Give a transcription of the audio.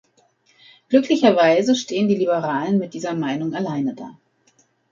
Glücklicherweise stehen die Liberalen mit dieser Meinung alleine da.